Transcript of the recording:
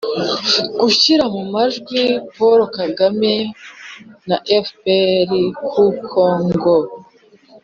gushyira mu majwi paul kagame na fpr kuko ngo